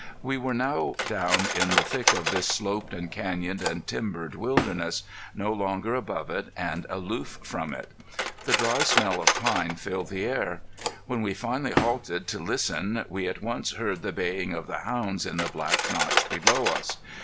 We were now down in the thick of this sloped and canyoned and timbered wildness; no longer above it, and aloof from it. The dry smell of pine filled the air. When we finally halted to listen we at once heard the baying of the hounds in the black notch below us.